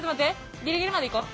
ギリギリまで行こう。